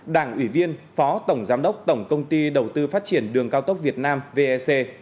đảng ủy viên phó tổng giám đốc tổng công ty đầu tư phát triển đường cao tốc việt nam vec